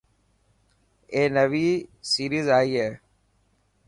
اي نوي سيريز اي هي.